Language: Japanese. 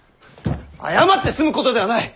謝って済むことではない！